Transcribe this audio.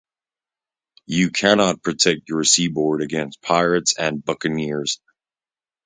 You cannot protect your Seaboard against Pirates and Buccaneers.